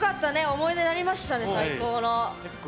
思い出になりましたね、最高の。